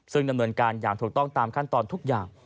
ซึ่งดำเนินการอย่างถูกต้องตามขั้นตอนทุกอย่าง